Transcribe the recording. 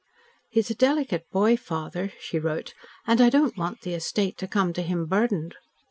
"He is a delicate boy, father," she wrote, "and I don't want the estate to come to him burdened."